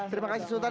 terima kasih sultan